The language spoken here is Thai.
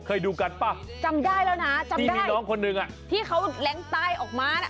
เคยดูกันป่ะจำได้แล้วนะที่มีน้องคนนึงที่เขาแหลงใต้ออกมา